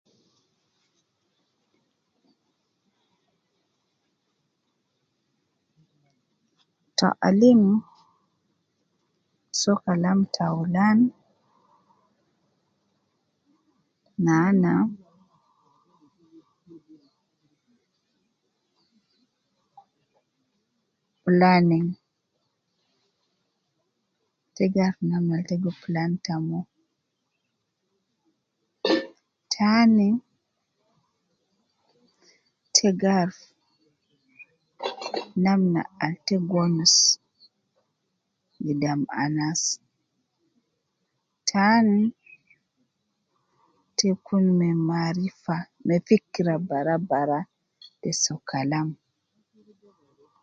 Taalim soo kalam ta aulan, naana, planning, te gi aruf namna al te gi plan ita mo, taani, te gaaruf namna al te gi wonus gidam anas, taan, te kun me maarifa me fikira bara bara te soo kalam.